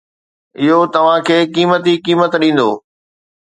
اهو توهان کي قيمتي قيمت ڏيندو